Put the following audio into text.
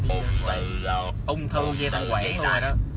ông thư ông thư ông thư quẩy ra đó